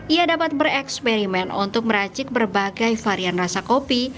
ia dapat bereksperimen untuk meracik berbagai varian rasa kopi